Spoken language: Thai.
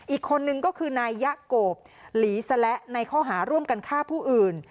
อีกคนนึงก็คือนายยะโกบหลีสและในข้อหาร่วมกันฆ่าผู้อื่น